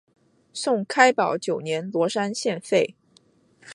宋开宝九年罗山县废。